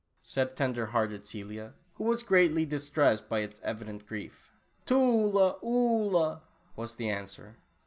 said tender hearted Celia, who was greatly distressed by its evident grief "Tula Oolah," was the answer.